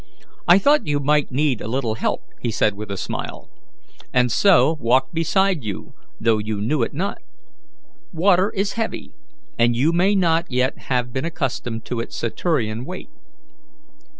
"I thought you might need a little help," he said with a smile, "and so walked beside you, though you knew it not. Water is heavy, and you may not yet have become accustomed to its Saturnian weight."